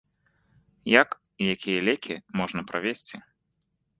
Як і якія лекі можна правезці?